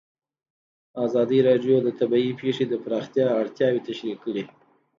ازادي راډیو د طبیعي پېښې د پراختیا اړتیاوې تشریح کړي.